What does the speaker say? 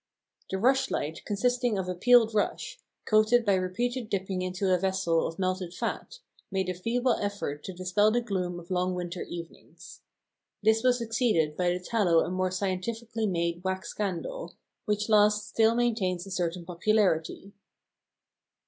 The rushlight, consisting of a peeled rush, coated by repeated dipping into a vessel of melted fat, made a feeble effort to dispel the gloom of long winter evenings. This was succeeded by the tallow and more scientifically made wax candle, which last still maintains a certain popularity.